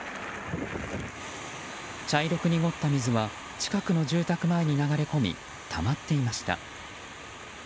茶色く濁った水は近くの住宅前に流れ込みたまっていました。